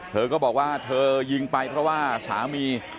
เธอก็บอกว่าเธอยิงไปเพราะว่าสามี